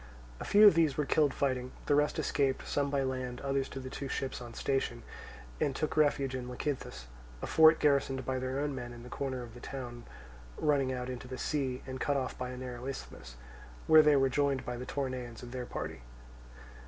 A few of these were killed fighting; the rest escaped, some by land, others to the two ships on the station, and took refuge in Lecythus, a fort garrisoned by their own men in the corner of the town running out into the sea and cut off by a narrow isthmus; where they were joined by the Toronaeans of their party.